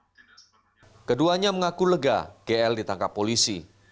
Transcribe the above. mereka berharap kejadian serupa tidak terulang kembali di kampus yang menjadi almamater mereka